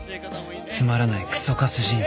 つまらないクソカス人生